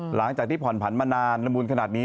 หลังจากที่ผ่อนผันมานานละมุนขนาดนี้